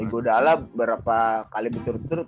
igo dalla berapa kali becurt bercurt